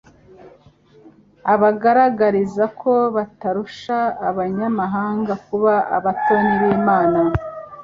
abagaragariza ko batarusha abanyamahanga kuba abatoni b'Imana,